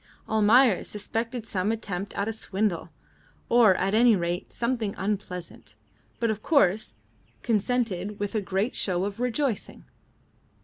Almayer suspected some attempt at a swindle, or at any rate something unpleasant, but of course consented with a great show of rejoicing.